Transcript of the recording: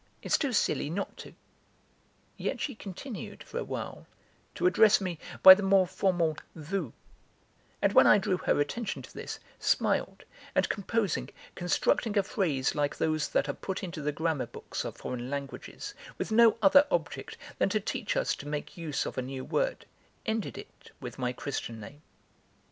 It's too silly not to." Yet she continued for a while to address me by the more formal 'vous,' and, when I drew her attention to this, smiled, and composing, constructing a phrase like those that are put into the grammar books of foreign languages with no other object than to teach us to make use of a new word, ended it with my Christian name.